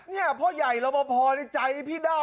เนี่ยพ่อใหญ่ลพพอในใจพี่ได้